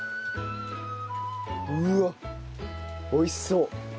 うわっ美味しそう！